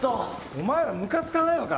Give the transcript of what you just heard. お前らムカつかないのか？